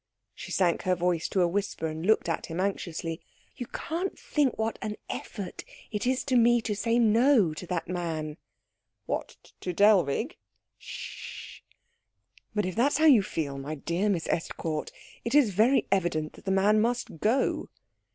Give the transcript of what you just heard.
She sank her voice to a whisper, and looked at him anxiously. "You can't think what an effort it is to me to say No to that man." "What, to Dellwig?" "Sh sh." "But if that is how you feel, my dear Miss Estcourt, it is very evident that the man must go."